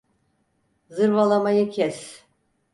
Zırvalamayı kes!